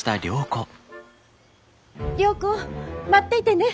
良子待っていてね。